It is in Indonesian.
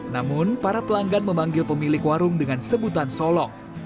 namun para pelanggan memanggil pemilik warung dengan sebutan solong